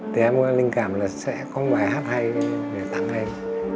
thì em có linh cảm là sẽ có một bài hát hay để tặng em